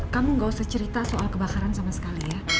kamu gak usah cerita soal kebakaran sama sekali ya